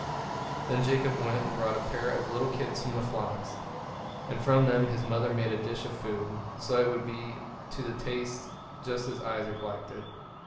Then Jacob went and brought a pair of little kids from the flocks, and from them his mother made a dish of food, so that it would be to the taste just as Isaac liked it.